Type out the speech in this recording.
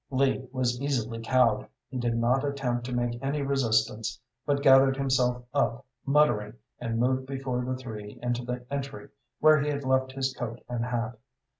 Lee was easily cowed. He did not attempt to make any resistance, but gathered himself up, muttering, and moved before the three into the entry, where he had left his coat and hat.